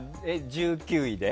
１９位で？